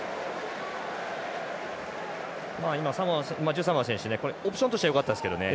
今、サモアの選手オプションとしてはよかったですけどね。